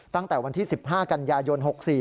ตั้งแต่วันที่๑๕กันยายน๖๔